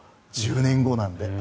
１０年後なんで。